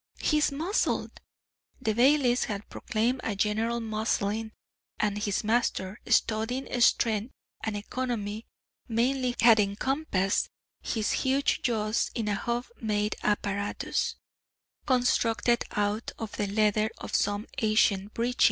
He is muzzled! The bailies had proclaimed a general muzzling, and his master, studying strength and economy mainly, had encompassed his huge jaws in a home made apparatus, constructed out of the leather of some ancient breechin.